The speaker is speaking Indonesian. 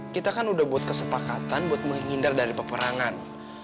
kita kan udah buat kesepakatan buat menghindar dari peperangan